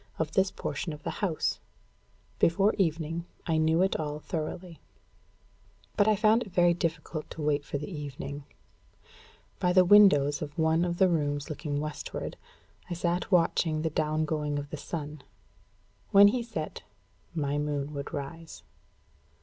of this portion of the house. Before evening, I knew it all thoroughly. But I found it very difficult to wait for the evening. By the windows of one of the rooms looking westward, I sat watching the down going of the sun. When he set, my moon would rise.